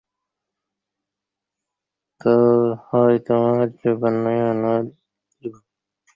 ফেসবুকে কারও দেওয়া তথ্য প্রেমের ব্যাপারে আপনাকে আগ্রহী করে তুলতে পারে।